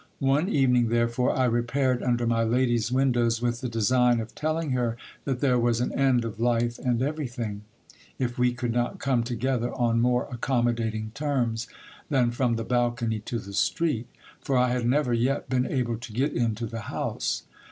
One evening, therefore, I repaired under my lady's windows, with the design of telling her that there was an end of life and everything, if we could not come together on more accommodating terms than from the balcony to the street ; for I had never yet been able to get into the house.